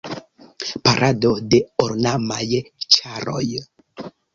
Parado de ornamaj ĉaroj.